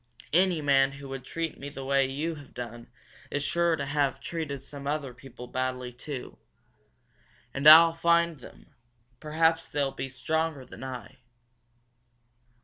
Any man who would treat me the way you have done is sure to have treated some other people badly, too. And I'll find them perhaps they'll be stronger than I."